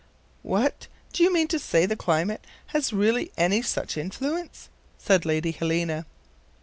"What! do you mean to say the climate has really any such influence?" said Lady Helena.